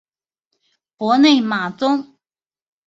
博内马宗。